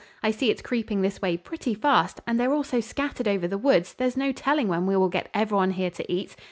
I see it's creeping this way pretty fast, and they're all so scattered over the woods there's no telling when we will get every one here to eat.